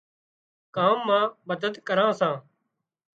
ڪام مان مدد ڪران سان